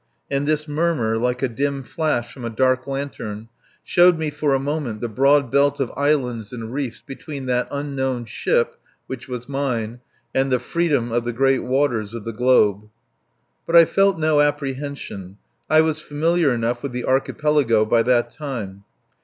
And this murmur, like a dim flash from a dark lantern, showed me for a moment the broad belt of islands and reefs between that unknown ship, which was mine, and the freedom of the great waters of the globe. But I felt no apprehension. I was familiar enough with the Archipelago by that time.